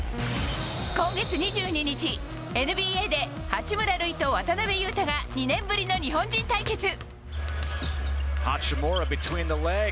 今月２２日、ＮＢＡで八村塁と渡邊雄太が２年ぶりの日本人対決。